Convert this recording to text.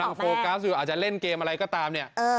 โฟกัสอยู่อาจจะเล่นเกมอะไรก็ตามเนี่ย